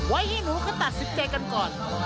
ไว้ให้หนูเขาตัดสินใจกันก่อน